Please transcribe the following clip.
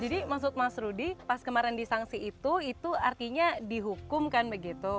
jadi maksud mas rudy pas kemarin disangsi itu itu artinya dihukumkan begitu